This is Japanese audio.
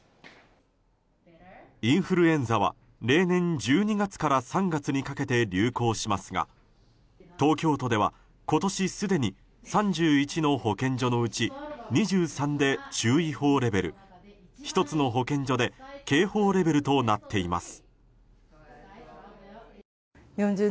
インフルエンザは例年１２月から３月にかけて流行しますが東京都では今年すでに３１の保健所のうち２３で注意報レベル１つの保健所で警報レベルとなっています。